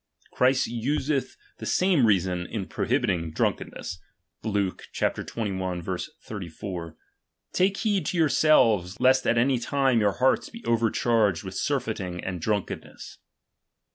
Christ useth the same reason in prohibiting drunkenness (Luke xxi. 34) : Take heed to yourselves, lest at any time your hearts be overcharged with surfeiting and drunkenness.